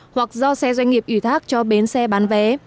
hoặc do xe doanh nghiệp ủy thác cho bến xe bán vé